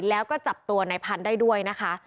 แล้วก็จับตัวในพันธุ์ได้ด้วยนะคะ